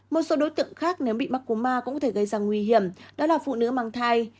một số đối tượng khác nếu bị mắc cú ma cũng có thể gây ra nguy hiểm đó là phụ nữ mang thai